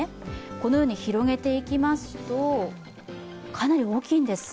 このように広げていきますとかなり大きいんです。